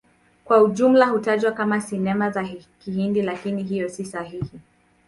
Kwa ujumla hutajwa kama Sinema za Kihindi, lakini hiyo si sahihi.